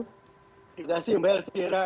terima kasih mbak elvira